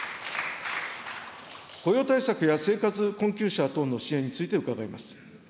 雇用対策や生活困窮者への支援について伺います。